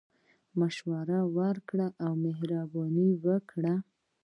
مشوري راکړئ مهربانی وکړئ